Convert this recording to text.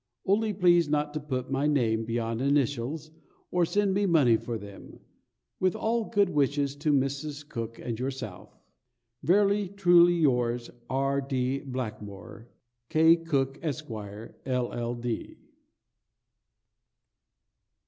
Only please not to put my name beyond initials or send me money for them. With all good wishes to Mrs. Cook and yourself Very truly yours R. D. Blackmore. K Cook Esqre L.L.D.